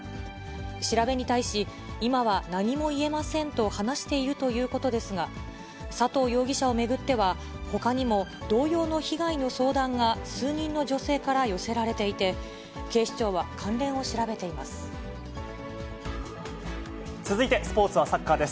調べに対し、今は何も言えませんと話しているということですが、佐藤容疑者を巡っては、ほかにも同様の被害の相談が数人の女性から寄せられていて、続いてスポーツはサッカーです。